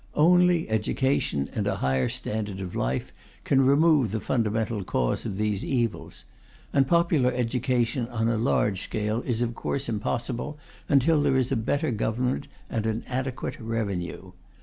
Only education and a higher standard of life can remove the fundamental cause of these evils. And popular education, on a large scale, is of course impossible until there is a better Government and an adequate revenue.